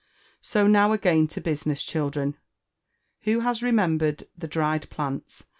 So now again to business, children. Who has remembered tlie dried plants?